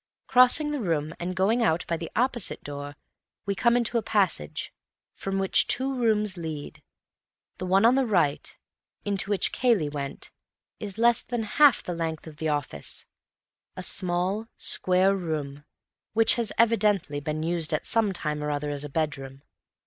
Crossing the room and going out by the opposite door, we come into a passage, from which two rooms lead. The one on the right, into which Cayley went, is less than half the length of the office, a small, square room, which has evidently been used some time or other as a bedroom.